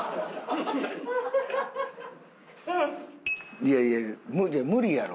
いやいやいや無理やろ。